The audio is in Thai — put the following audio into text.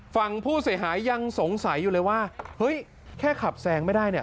ฝั่งผู้เสียหายยังสงสัยอยู่เลยว่าเฮ้ยแค่ขับแซงไม่ได้เนี่ย